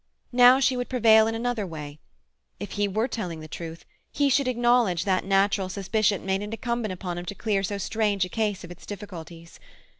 Now she would prevail in another way. If he were telling the truth, he should acknowledge that natural suspicion made it incumbent upon him to clear so strange a case of its difficulties.